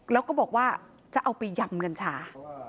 แล้วก็บอกว่าจะเอาไปยำกัญชา